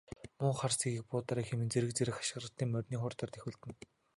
Муу хар сэгийг буудаарай хэмээн зэрэг зэрэг хашхиралдан морины хурдаар давхилдана.